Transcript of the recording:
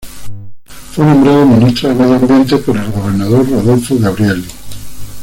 Fue nombrado ministro de Medio Ambiente por el gobernador Rodolfo Gabrielli.